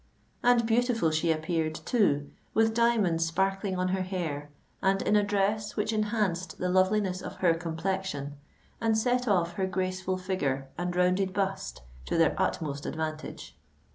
And beautiful she appeared, too—with diamonds sparkling on her hair, and in a dress which enhanced the loveliness of her complexion and set off her graceful figure and rounded bust to their utmost advantage.